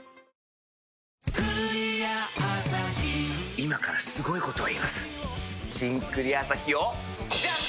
今からすごいこと言います「新・クリアアサヒ」をジャン！